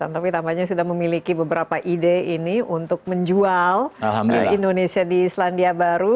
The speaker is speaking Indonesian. tapi tampaknya sudah memiliki beberapa ide ini untuk menjual indonesia di selandia baru